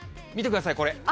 見てください、これ。